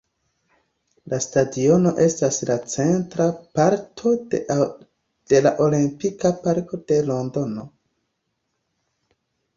La stadiono estas la centra parto de la Olimpika Parko de Londono.